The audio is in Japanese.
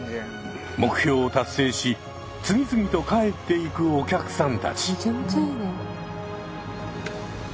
目標を達成し次々と帰っていくお客さんたち。